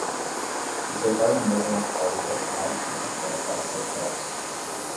reservar uma mesa na Flórida no Ariston Cafe para sete horas